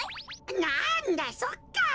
なんだそっか。